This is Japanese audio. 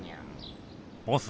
ボス